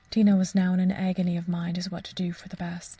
Tina was now in an agony of mind as to what to do for the best.